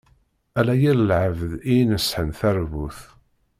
Ala yir lɛebd i yeneṣḥen taṛbut.